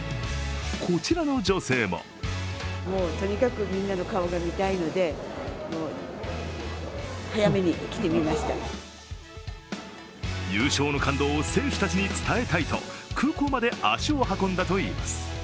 こちらの女性も優勝の感動を選手たちに伝えたいと空港まで足を運んだといいます。